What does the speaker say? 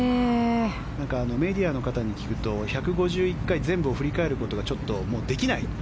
メディアの方に聞くと１５１回、全部を振り返ることがちょっとできない。